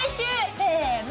せの！